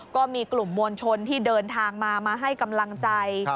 ก็มีกลุ่มมวลชนที่เดินทางมามาให้กำลังใจ